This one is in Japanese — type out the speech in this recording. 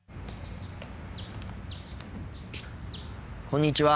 こんにちは。